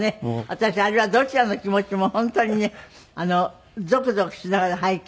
私あれはどちらの気持ちも本当にねゾクゾクしながら拝見しました。